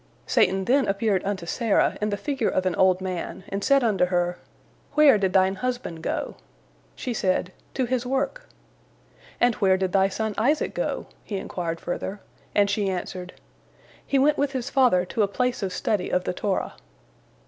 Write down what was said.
Satan then appeared unto Sarah in the figure of an old man, and said unto her, "Where did thine husband go?" She said, "To his work." "And where did thy son Isaac go?" he inquired further, and she answered, "He went with his father to a place of study of the Torah."